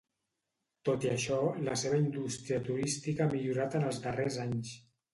Tot i això, la seva indústria turística ha millorat en els darrers anys.